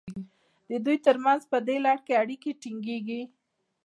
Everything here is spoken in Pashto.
د دوی ترمنځ په دې لړ کې اړیکې ټینګیږي.